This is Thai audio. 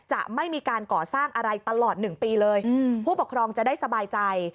จะไม่มีการก่อสร้างอะไรตลอด๑ปีเลยผู้ปกครองจะได้สบายใจ